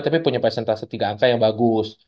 tapi punya presentase tiga angka yang bagus